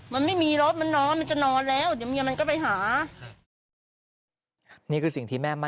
มันไม่มีรถมันนอนมันจะนอนแล้วเดี๋ยวเมียมันก็ไปหา